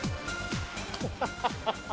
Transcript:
ハハハハ！